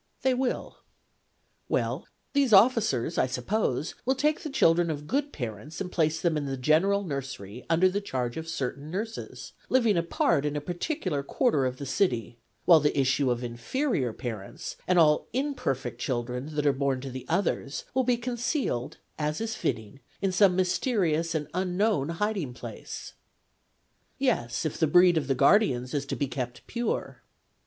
1 They'.' will.' 1 Well, these officers, I suppose, will take the children of good parents and place them in the general nursery under the charge of certain nurses, living apart in a particular quarter of the city ; while the issue of in ferior parents, and all imperfect children that are born to the others, will be concealed, as is fitting, in some mysterious and unknown hiding place.' ' Yes, if the breed of the guardians is to be kept pure.'